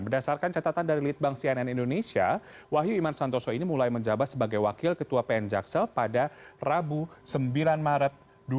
berdasarkan catatan dari litbang cnn indonesia wahyu iman santoso ini mulai menjabat sebagai wakil ketua pn jaksal pada rabu sembilan maret dua ribu dua puluh